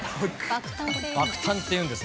爆誕って言うんですね。